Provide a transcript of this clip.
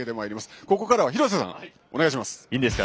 ここからは廣瀬さんお願いします。